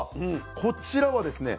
こちらはですね